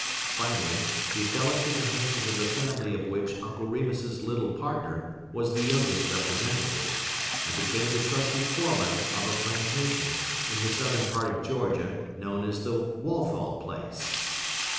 Finally, he fell into the hands of the family of which Uncle Remus's little partner was the youngest representative, and became the trusted foreman of a plantation, in the southern part of Georgia, known as the Walthall Place.